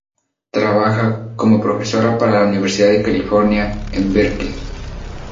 Trabaja como profesora para la Universidad de California en Berkeley.